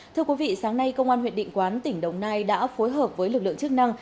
thưa quý vị sáng nay công an huyện định quán tỉnh đồng nai đã phối hợp với lực lượng chức năng